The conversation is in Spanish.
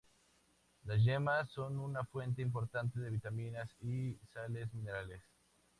Las yemas son una fuente importante de vitaminas y sales minerales.